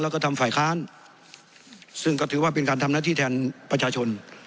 แล้วก็ทำฝ่ายค้านซึ่งก็ถือว่าเป็นการทำหน้าที่แทนประชาชน